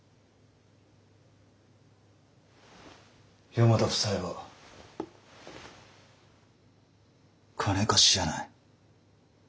四方田夫妻は金貸しじゃない。